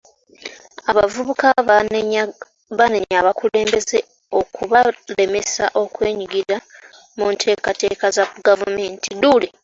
Abavubuka baanenya abakulembeze okubalemesa okwenyigira mu nteekateeka za gavumenti